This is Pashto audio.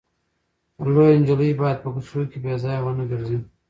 لويه نجلۍ باید په کوڅو کې بې ځایه ونه ګرځي.